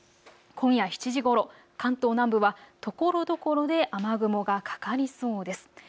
今夜７時ごろ、関東南部はところどころで雨雲がかかりそうです。